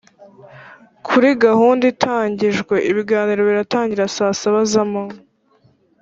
Kuri gahunda iteganyijwe ibiganiro biratangira saa saba z’amanywa